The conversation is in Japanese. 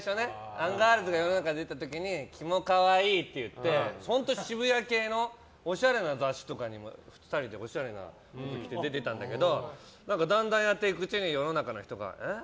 アンガールズが世の中に出た時にキモ可愛いって言って渋谷系のおしゃれな雑誌とかに２人で、おしゃれな格好で出てたんだけどだんだん、やっていくうちに世の中の人がえ？